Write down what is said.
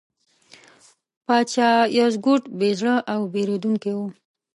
پاچا یزدګُرد بې زړه او بېرندوکی و.